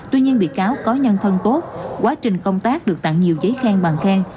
tuy nhiên bị cáo có nhân thân tốt quá trình công tác được tặng nhiều giấy khen bằng khen